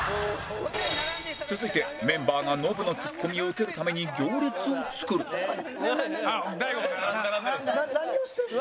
続いてメンバーがノブのツッコミを受けるために行列を作るななな何をしとる？